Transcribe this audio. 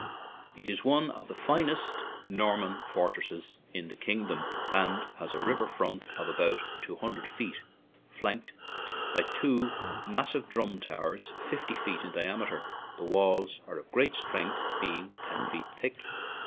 It is one of the finest Norman fortresses in the kingdom, and has a river front of about two hundred feet, flanked by two massive drum towers fifty feet in diam eter; the walls are of great strength, be ing ten feet thick.